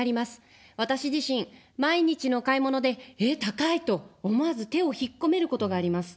私自身、毎日の買い物で、え、高いと思わず手を引っ込めることがあります。